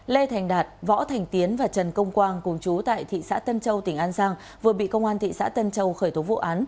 lê thành đạt võ thành tiến và trần công quang cùng chú tại thị xã tân châu tỉnh an giang vừa bị công an thị xã tân châu khởi tố vụ án